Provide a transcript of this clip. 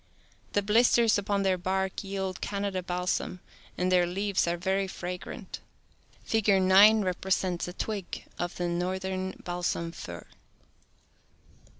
The blisters upon their bark yield Canada balsam, and their leaves are very fragrant. Figure 9 repre sents a twig of the northern balsam fir.